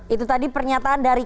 itu tadi pernyataan dari